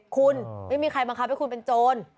คุณไม่มีใครบังคับให้คุณเป็นโจร